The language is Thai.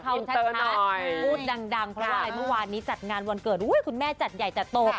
ชัดพูดดังเพราะว่าอะไรเมื่อวานนี้จัดงานวันเกิดคุณแม่จัดใหญ่จัดตก